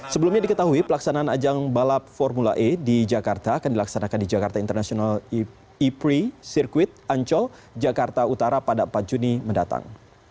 sebelumnya diketahui pelaksanaan ajang balap formula e di jakarta akan dilaksanakan di jakarta international e pri sirkuit ancol jakarta utara pada empat juni mendatang